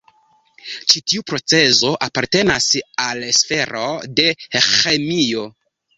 Ĉi tiu procezo apartenas al sfero de ĥemio.